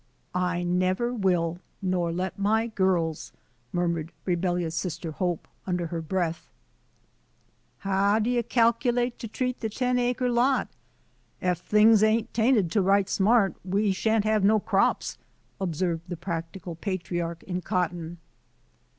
" I never will, nor let my girls," murmured re bellious Sister Hope, under her breath. "Haou do you cattle'ate to treat the ten acre lot? Ef things ain't 'tended to right smart, we . shan't hev no crops," observed the practical patriarch in cotton.